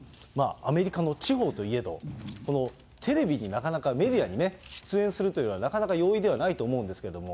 アメリカの地方といえど、このテレビになかなか、メディアにね、出演するというのはなかなか容易ではないと思うんですけれども。